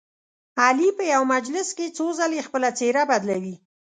علي په یوه مجلس کې څو ځلې خپله څهره بدلوي.